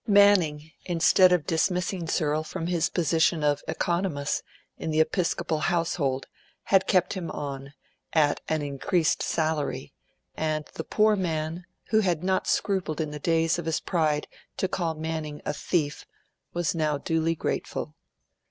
Manning, instead of dismissing Searle from his position of 'oeconomus' in the episcopal household, had kept him on at an increased salary; and the poor man, who had not scrupled in the days of his pride to call Manning a thief, was now duly grateful.